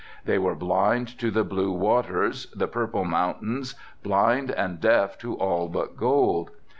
They were blind to the blue waters, the purple mountains, blind and deaf to all but gold.